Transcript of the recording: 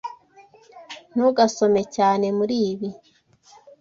Ntugasome cyane muribi.